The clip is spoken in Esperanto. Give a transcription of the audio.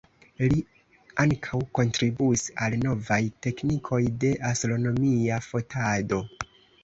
Li ankaŭ kontribuis al novaj teknikoj de astronomia fotado.